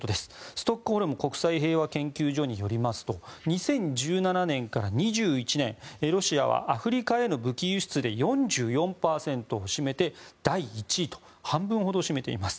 ストックホルム国際平和研究所によりますと２０１７年から２１年ロシアはアフリカへの武器輸出で４４％を占めて第１位と半分ほどを占めています。